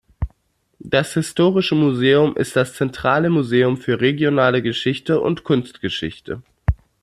Das Historische Museum ist das zentrale Museum für regionale Geschichte und Kunstgeschichte.